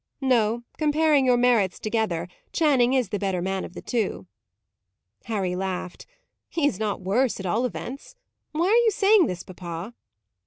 "No. Comparing your merits together, Channing is the better man of the two." Harry laughed. "He is not worse, at all events. Why are you saying this, papa?"